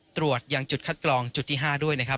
ตรวจยังจุดคัดกรองจุดที่๕ด้วยนะครับ